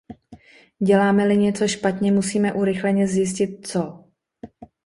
Děláme-li něco špatně, musíme urychleně zjistit co.